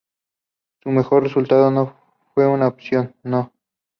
Su mejor resultado fue una posición No.